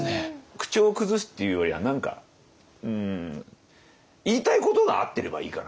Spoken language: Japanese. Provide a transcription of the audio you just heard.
口調を崩すっていうよりは何か言いたいことが合ってればいいかなっていう。